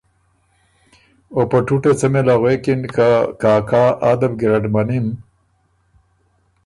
او په ټُوټه څمی له غوېکِن که کاکا آ ده بو ګیرډ منِم۔